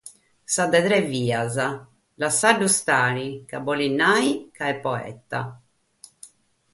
Sa de tres bias, lassa·lu istare, ca cheret nàrrere chi est poeta.